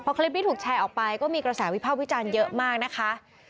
คลิปนี้ถูกแชร์ออกไปก็มีกระแสวิภาพวิจารณ์เยอะมากนะคะ